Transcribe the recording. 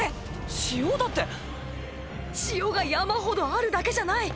塩だって⁉塩が山ほどあるだけじゃない。